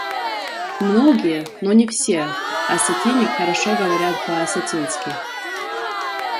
Многие — но не все — осетины хорошо говорят по-осетински.